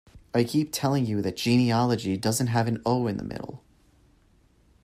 I keep telling you that genealogy doesn't have an ‘o’ in the middle.